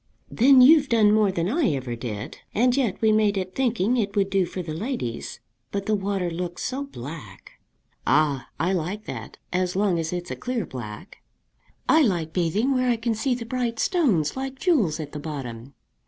"Then you've done more than I ever did; and yet we had it made thinking it would do for ladies. But the water looks so black." "Ah! I like that, as long as it's a clear black." "I like bathing where I can see the bright stones like jewels at the bottom.